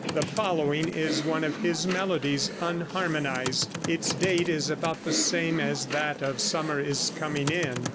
The following is one of his melodies unharmonized. Its date is about the same as that of "Summer is Coming In."